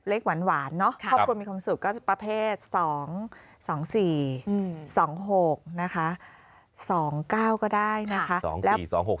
หวานเนอะครอบครัวมีความสุขก็ประเภท๒๒๔๒๖นะคะ๒๙ก็ได้นะคะ